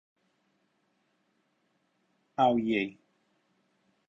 How Ye?